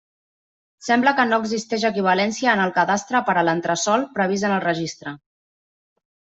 Sembla que no existeix equivalència en el Cadastre per a l'entresòl previst en el Registre.